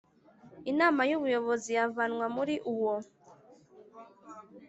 Inama y Ubuyobozi avanwa muri uwo